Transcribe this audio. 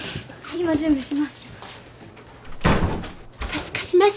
今準備します。